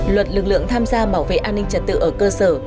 luật lực lượng tham gia bảo vệ an ninh trật tự ở cơ sở